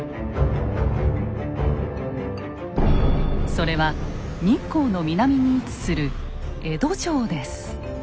それは日光の南に位置する江戸城です。